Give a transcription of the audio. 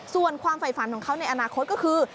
ส่วนความฝ่ายฝันของเขาในอนาคตก็คือ